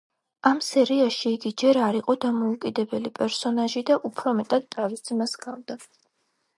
ამ სერიაში იგი ჯერ არ იყო დამოუკიდებელი პერსონაჟი და უფრო მეტად თავის ძმას ჰგავდა.